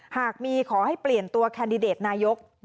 หากมีขอให้เปลี่ยนตัวแคนดิเดตนายก